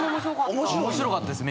面白かったです